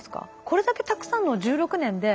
これだけたくさんのを１６年で。